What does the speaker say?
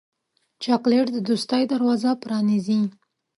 چاکلېټ د دوستۍ دروازه پرانیزي.